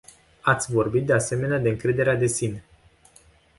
Ați vorbit, de asemenea, de încrederea de sine.